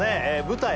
舞台